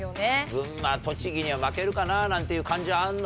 群馬栃木には負けるかなぁなんていう感じはあるの？